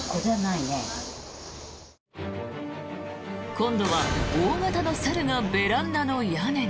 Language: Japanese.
今度は大型の猿がベランダの屋根に。